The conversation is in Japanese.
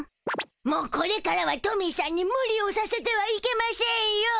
もうこれからはトミーしゃんにムリをさせてはいけませんよ。